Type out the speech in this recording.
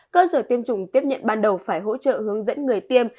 cơ sở tiêm chủng tiếp nhận ban đầu phải hỗ trợ hướng dẫn người tiêm